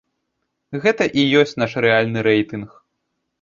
Гэта і ёсць наш рэальны рэйтынг.